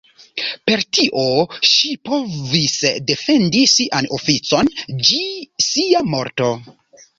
Per tio ŝi povis defendi sian oficon ĝi sia morto.